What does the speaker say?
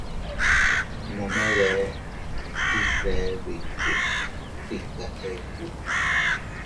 Nome bee tiis bee biku, tika eku.